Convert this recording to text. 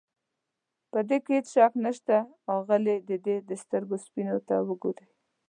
په دې کې هېڅ شک نشته، اغلې د ده د سترګو سپینو ته وګورئ.